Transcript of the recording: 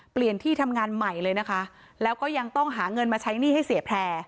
เปลี่ยนที่ทำงานใหม่เลยนะคะแล้วก็ยังต้องหาเงินมาใช้หนี้ให้เสียแพร่